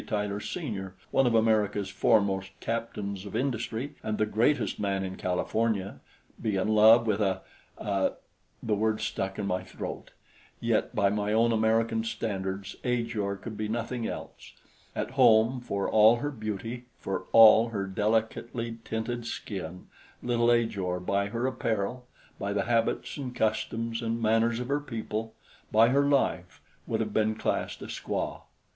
Tyler, Sr., one of America's foremost captains of industry and the greatest man in California, be in love with a a the word stuck in my throat; yet by my own American standards Ajor could be nothing else; at home, for all her beauty, for all her delicately tinted skin, little Ajor by her apparel, by the habits and customs and manners of her people, by her life, would have been classed a squaw.